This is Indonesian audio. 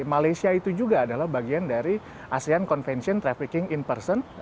malaysia itu juga adalah bagian dari asean convention trafficking in person